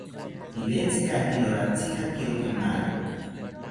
Piwetzikakiro ratzikakiro kemari